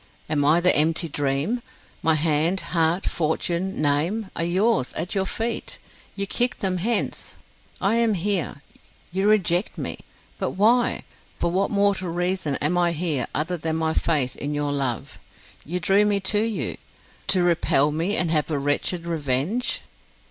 Am I the empty dream? My hand, heart, fortune, name, are yours, at your feet; you kick them hence. I am here you reject me. But why, for what mortal reason am I here other than my faith in your love? You drew me to you, to repel me, and have a wretched revenge."